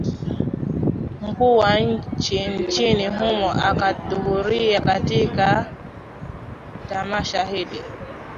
mkuu wa nchi nchini humo akahudhuria katika tamasha hili